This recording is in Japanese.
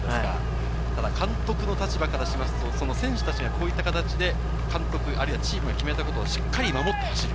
ただ、監督の立場からしますと、選手たちがこういった形で監督、あるいはチームを決めたことをしっかり守って走る。